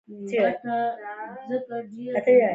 پښتانه بايد خپل ماشومان ته د سولې او يووالي ارزښت وښيي.